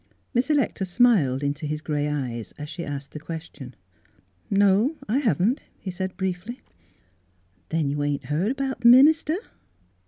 Miss Electa smiled into his grey eyes as she asked the question, " No ; I haven't," he said briefly. " Then you ain't heard about the min ister?